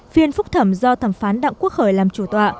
phiên phúc thẩm do thẩm phán đạo quốc hời làm chủ tọa